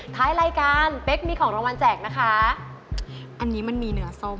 ท้ายรายการเป๊กมีของรางวัลแจกนะคะอันนี้มันมีเนื้อส้ม